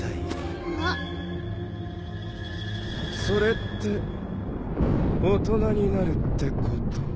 それって大人になるってこと？